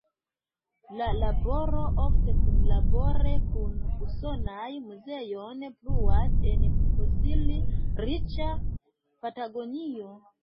La laboro, ofte kunlabore kun usonaj muzeoj, pluas en fosili-riĉa Patagonio.